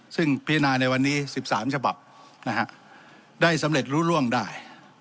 ซึ่งพิจารณาในวันนี้๑๓ฉบับได้สำเร็จรู้ร่วงได้